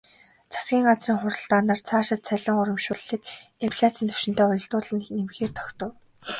Засгийн газрын хуралдаанаар цаашид цалин урамшууллыг инфляцын түвшинтэй уялдуулан нэмэхээр тогтов.